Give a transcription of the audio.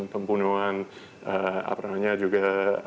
pembunuhan apa namanya juga